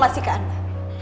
masih ke anda